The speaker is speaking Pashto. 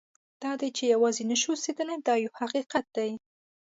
دا ده چې یوازې نه شو اوسېدلی دا یو حقیقت دی.